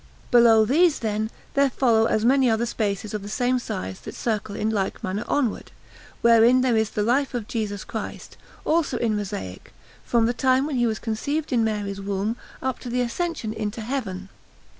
Below these, then, there follow as many other spaces of the same size that circle in like manner onward, wherein there is the life of Jesus Christ, also in mosaic, from the time when He was conceived in Mary's womb up to the Ascension into Heaven.